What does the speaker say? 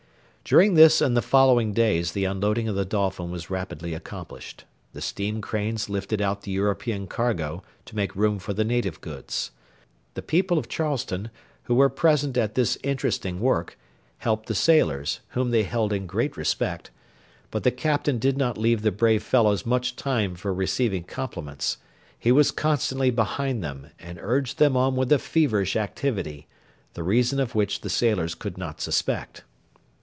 During this and the following days the unloading of the Dolphin was rapidly accomplished; the steam cranes lifted out the European cargo to make room for the native goods. The people of Charleston, who were present at this interesting work, helped the sailors, whom they held in great respect, but the Captain did not leave the brave fellows much time for receiving compliments; he was constantly behind them, and urged them on with a feverish activity, the reason of which the sailors could not suspect.